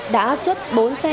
đã xuất bóng cháy